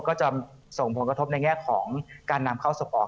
ก็จะส่งผลกระทบในแง่ของการนำเข้าส่งออก